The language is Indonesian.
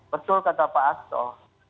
betul kata pak hasto